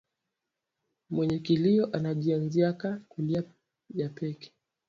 Mwenye kilio anajianziaka kulia yepeke